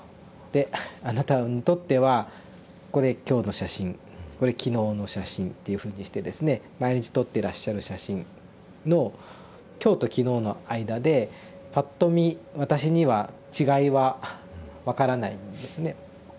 で「あなたにとってはこれ今日の写真これ昨日の写真」っていうふうにしてですね毎日撮っていらっしゃる写真の今日と昨日の間でぱっと見私には違いは分からないんですね。